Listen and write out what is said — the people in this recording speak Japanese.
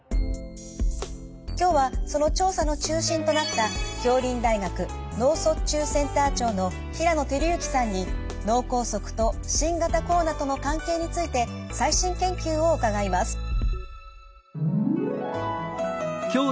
今日はその調査の中心となった杏林大学脳卒中センター長の平野照之さんに脳梗塞と新型コロナとの関係について最新研究を伺います。